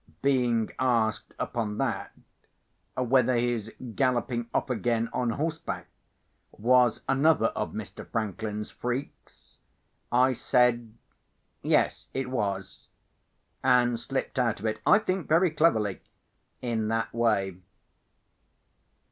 Being asked, upon that, whether his galloping off again on horseback was another of Mr. Franklin's freaks, I said, "Yes, it was;" and slipped out of it—I think very cleverly—in that way.